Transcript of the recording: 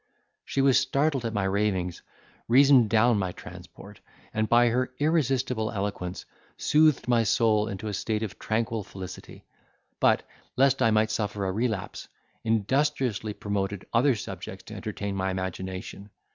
She was startled at my ravings, reasoned down my transport, and by her irresistible eloquence, soothed my soul into a state of tranquil felicity; but, lest I might suffer a relapse, industriously promoted other subjects to entertain my imagination.